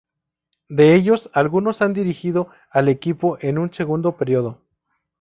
De ellos, algunos han dirigido al equipo en un segundo período.